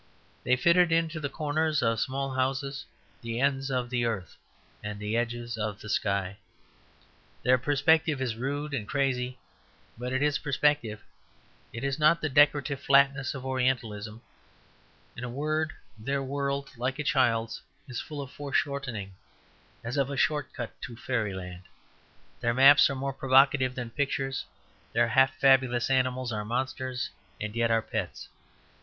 They fitted into the corners of small houses the ends of the earth and the edges of the sky. Their perspective is rude and crazy, but it is perspective; it is not the decorative flatness of orientalism. In a word, their world, like a child's, is full of foreshortening, as of a short cut to fairyland. Their maps are more provocative than pictures. Their half fabulous animals are monsters, and yet are pets.